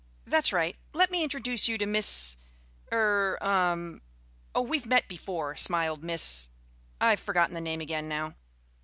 "That's right. Let me introduce you to Miss er um." "Oh, we've met before," smiled Miss I've forgotten the name again now.